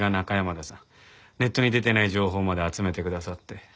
ネットに出てない情報まで集めてくださって。